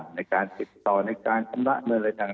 ในการติดต่อในการทำละอะไรต่าง